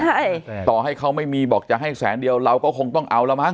ใช่ต่อให้เขาไม่มีบอกจะให้แสนเดียวเราก็คงต้องเอาแล้วมั้